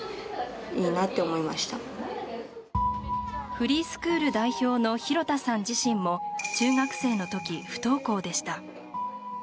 フリースクール代表の広田さん自身も中学生の時、不登校でした。